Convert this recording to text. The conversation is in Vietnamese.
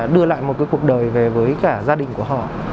đưa lại một cái cuộc đời về với cả gia đình của họ